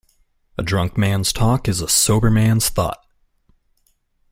A drunk man's talk is a sober man's thought.